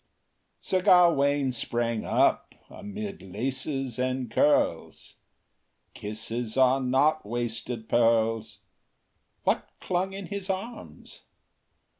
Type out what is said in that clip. III Sir Gawain sprang up amid laces and curls: Kisses are not wasted pearls:— What clung in his arms?